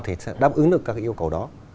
sẽ đáp ứng được các yêu cầu đó